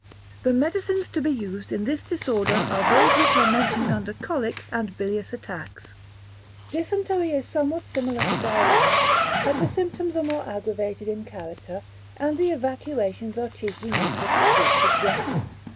The medicines to be used in this disorder are those which are mentioned under colic and bilious attacks. 945. Dysentery Dysentery is somewhat similar to diarrhoea, but the symptoms are more aggravated in character, and the evacuations are chiefly mucus streaked with blood.